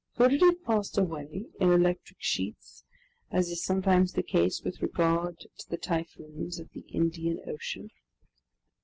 Could it have passed away in electric sheets, as is sometimes the case with regard to the typhoons of the Indian Ocean?